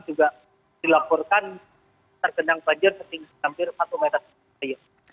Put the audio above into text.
dan dilaporkan terkendang banjir ketinggian hampir satu meter